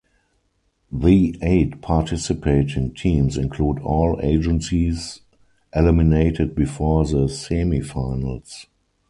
The eight participating teams include all agencies eliminated before the semifinals.